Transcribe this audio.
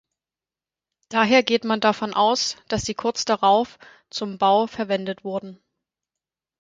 Daher geht man davon aus, dass sie kurz darauf zum Bau verwendet wurden.